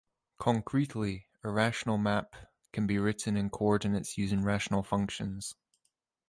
Concretely, a rational map can be written in coordinates using rational functions.